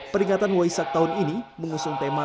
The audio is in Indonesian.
peringatan waisak tahun ini mengusung tema